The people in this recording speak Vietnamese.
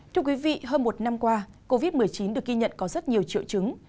thưa quý vị hơn một năm qua covid một mươi chín được ghi nhận có rất nhiều triệu chứng